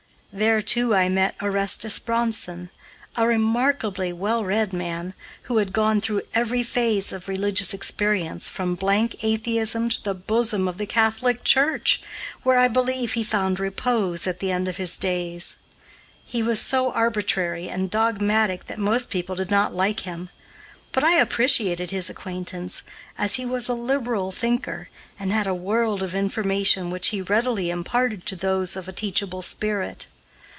There, too, I met Orestes Bronson, a remarkably well read man, who had gone through every phase of religious experience from blank atheism to the bosom of the Catholic Church, where I believe he found repose at the end of his days. He was so arbitrary and dogmatic that most people did not like him; but I appreciated his acquaintance, as he was a liberal thinker and had a world of information which he readily imparted to those of a teachable spirit.